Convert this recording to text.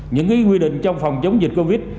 những quy định trong phòng chống dịch covid